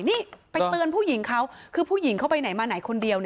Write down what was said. นี่ไปเตือนผู้หญิงเขาคือผู้หญิงเข้าไปไหนมาไหนคนเดียว